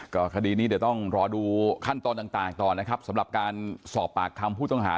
ก็คดีนี้เดี๋ยวต้องรอดูขั้นตอนต่างต่อนะครับสำหรับการสอบปากคำผู้ต้องหา